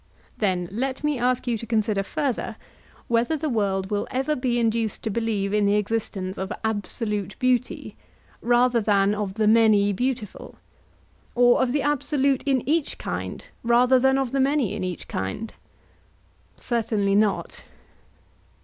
Then let me ask you to consider further whether the world will ever be induced to believe in the existence of absolute beauty rather than of the many beautiful, or of the absolute in each kind rather than of the many in each kind? Certainly not.